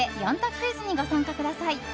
クイズにご参加ください。